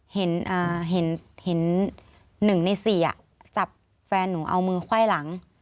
เห็นอ่าเห็นเห็นหนึ่งในสี่อ่ะจับแฟนหนูเอามือไขว้หลัง